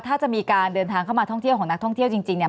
ถ้าจะมีการเดินทางเข้ามาท่องเที่ยวของนักท่องเที่ยวจริงเนี่ย